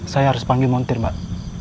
saya harus panggil montir mbak